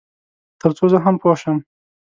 تر څو زه هم پوه شم.